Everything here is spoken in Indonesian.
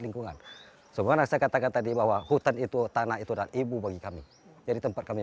lingkungan sebenarnya saya katakan tadi bahwa hutan itu tanah itu dan ibu bagi kami jadi tempat kami